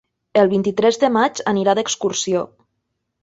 El vint-i-tres de maig anirà d'excursió.